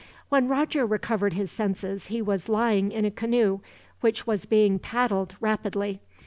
When Roger recovered his senses, he was lying in a canoe, which was being paddled rapidly.